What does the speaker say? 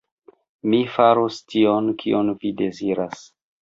Mi faros tion, kion vi deziras.